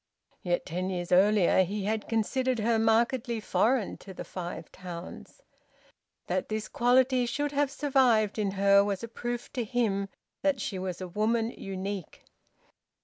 (Yet ten years earlier he had considered her markedly foreign to the Five Towns.) That this quality should have survived in her was a proof to him that she was a woman unique.